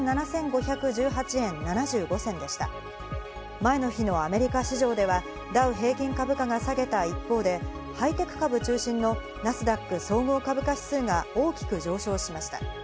前の日のアメリカ市場ではダウ平均株価は下げた一方で、ハイテク株中心のナスダック総合株価指数が大きく上昇しました。